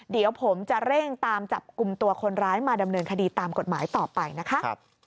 เดี๋ยวผมจะเร่งตามจับกลุ่มตัวคนร้ายมาดำเนินคดีตามกฎหมายต่อไปนะคะ